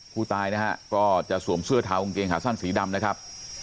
ผู้ตายนะฮะก็จะสวมเสื้อเท้ากางเกงขาสั้นสีดำนะครับ